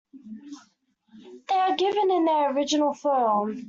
They are given in their original form.